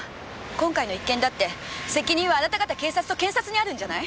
今回の一件だって責任はあなた方警察と検察にあるんじゃない？